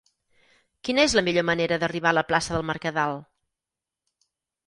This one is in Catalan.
Quina és la millor manera d'arribar a la plaça del Mercadal?